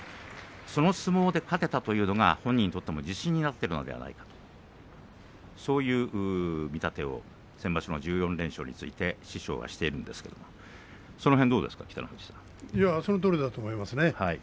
その相撲で勝てたというのは本人にとって自信になっているのではないかそういう見立てを先場所の１４連勝について師匠はしているんですけれどもそのとおりだと思います。